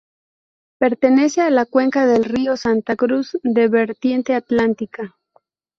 Pertenece a la cuenca del río Santa Cruz, de vertiente atlántica.